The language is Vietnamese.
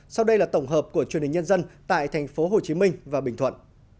sau đây là tổng hợp của truyền hình nhân dân tại tp hcm và bình thuận